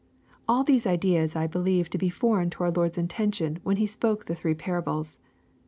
All these ideas I believe to be foreign to our Lord's intention when He spoke the three parables.